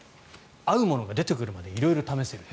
合うものが出てくるまで色々試せる。